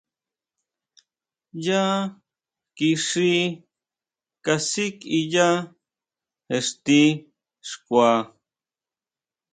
Yá kixí kasikʼiya exti xkua.